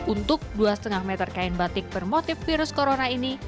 untuk dua lima meter kain batik bermotif virus corona ini